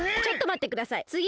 ちょっとまってください！